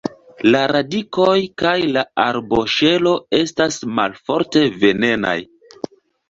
La radikoj kaj la arboŝelo estas malforte venenaj.